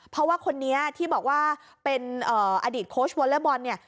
เพราะว่าคนนี้ที่บอกว่าเป็นอดีตโค้ชวอเลอร์บอลเนี่ย